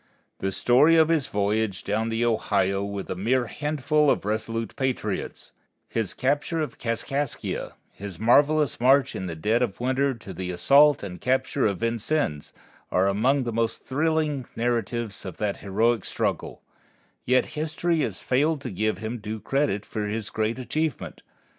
The story of his voyage down the Ohio with a mere handful of resolute patriots, his capture of Kaskaskia, his marvelous march in the dead of winter to the assault and capture of Vincennes, are among the most thrilling narratives of that heroic struggle; yet history has failed to give him due credit for his great achievement.